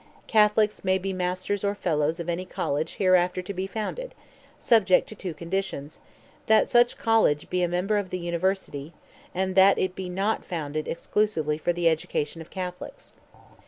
Catholics may be masters or fellows of any college hereafter to be founded, subject to two conditions, that such college be a member of the University, and that it be not founded exclusively for the education of Catholics.